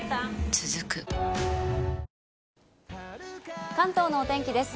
続く関東のお天気です。